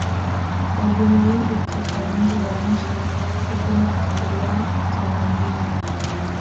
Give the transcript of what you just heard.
wageni wengi kutoka nje ya nchi hupenda kutembelea tarangire